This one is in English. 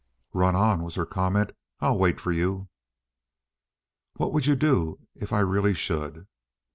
"Run on," was her comment. "I'll wait for you." "What would you do if I really should?"